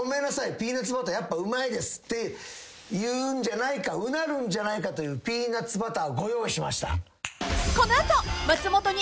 ピーナッツバターやっぱうまいです」って言うんじゃないかうなるんじゃないかというピーナッツバターご用意しました。